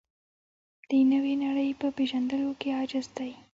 د نوې نړۍ په پېژندلو کې عاجز دی.